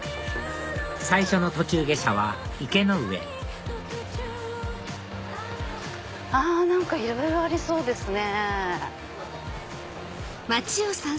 最初の途中下車は池ノ上あ何かいろいろありそうですね。